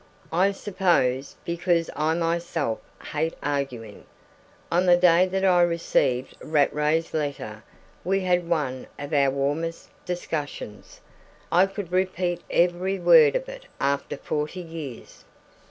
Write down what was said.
I suppose because I myself hate arguing. On the day that I received Rattray's letter we had one of our warmest discussions. I could repeat every word of it after forty years.